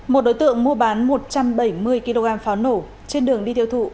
một đối tượng mua bán một trăm bảy mươi kg pháo nổ trên đường đi tiêu thụ